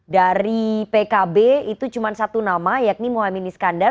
dari pkb itu cuma satu nama yakni muhammad iskandar